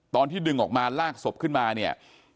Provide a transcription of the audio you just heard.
ตอนที่ดึงออกมาลากศพขึ้นมาเนี่ย